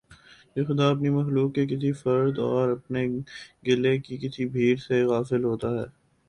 کہ خدا اپنی مخلوق کے کسی فرد اور اپنے گلے کی کسی بھیڑ سے غافل ہوتا ہے